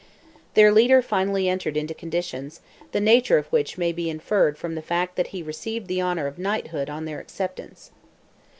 Their leader finally entered into conditions, the nature of which may be inferred from the fact that he received the honour of knighthood on their acceptance.